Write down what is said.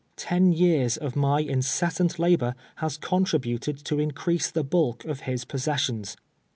Ten jears of mj incessant labor lias contribnled to increase the bulk of liis possessions.